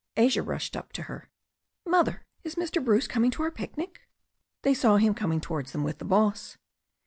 Asia rushed up to her. ''Mother, is Mr. Bruce coming to our picnic?" They saw him coming towards them with the boss.